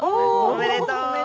おめでとう。